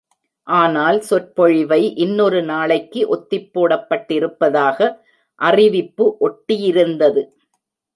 ஆனால், சொற்பொழிவை இன்னொரு நாளைக்கு ஒத்திப்போடப்பட்டிருப்பதாக அறிவிப்பு ஒட்டியிருந்தது.